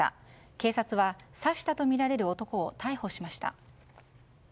警察は刺したとみられる男を逮捕しました。